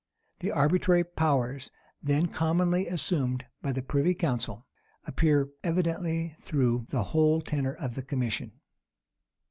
The arbitrary powers then commonly assumed by the privy council, appear evidently through the whole tenor of the commission.